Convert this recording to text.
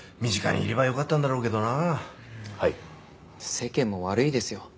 世間も悪いですよ。